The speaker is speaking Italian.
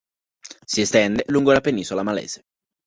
Si estende lungo la penisola malese.